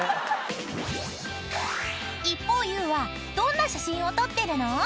［一方ゆうはどんな写真を撮ってるの？］